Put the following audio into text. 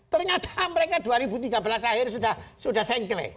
ternyata mereka dua ribu tiga belas akhirnya sudah sengklik